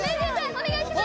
お願いします